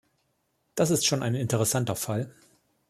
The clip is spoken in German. Das ist schon ein interessanter Fall.